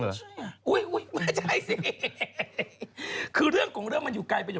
ไม่ใช่อ่ะอุ้ยอุ้ยไม่ใช่สิคือเรื่องของเรื่องมันอยู่ไกลไป